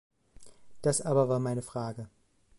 Das aber war meine Frage.